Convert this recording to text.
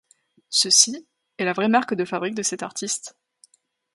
Ceci est la vraie marque de fabrique de cet artiste.